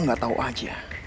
lo gak tau aja